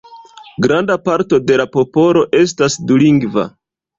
Granda parto de la popolo estas dulingva.